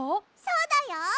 そうだよ。